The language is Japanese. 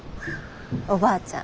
おばあちゃん